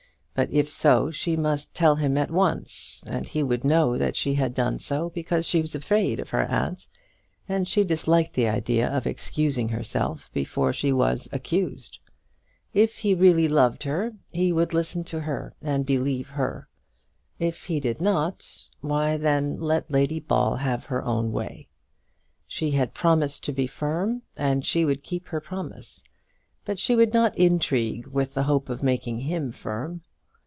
But if so, she must tell him at once, and he would know that she had done so because she was afraid of her aunt, and she disliked the idea of excusing herself before she was accused. If he really loved her, he would listen to her, and believe her. If he did not why then let Lady Ball have her own way. She had promised to be firm, and she would keep her promise; but she would not intrigue with the hope of making him firm.